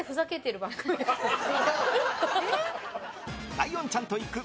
ライオンちゃんと行く！